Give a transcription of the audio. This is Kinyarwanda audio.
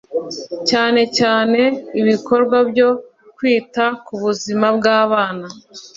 cyane cyane ibikorwa byo kwita k’ubuzima bw’abana